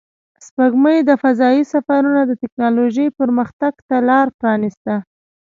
سپوږمۍ د فضایي سفرونو د تکنالوژۍ پرمختګ ته لار پرانیسته